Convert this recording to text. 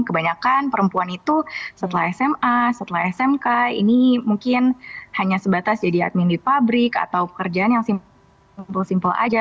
kebanyakan perempuan itu setelah sma setelah smk ini mungkin hanya sebatas jadi admin di pabrik atau pekerjaan yang simpul simple aja